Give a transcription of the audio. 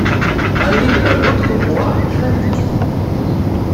Allée de la Bautremois, Crainvilliers